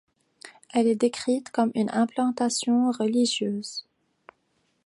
Elle est décrite comme une implantation religieuse.